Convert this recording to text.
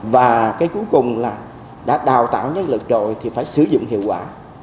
và cái cuối cùng là đã đào tạo nhân lực rồi thì phải sử dụng hiệu quả